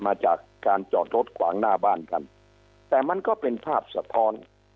มาจากการจอดรถขวางหน้าบ้านกันแต่มันก็เป็นภาพสะท้อน